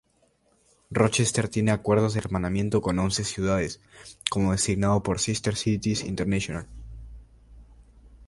Rochester tiene acuerdos de hermanamiento con once ciudades, como designado por Sister Cities International.